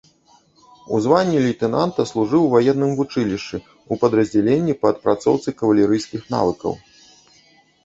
У званні лейтэнанта служыў у ваенным вучылішчы, у падраздзяленні па адпрацоўцы кавалерыйскіх навыкаў.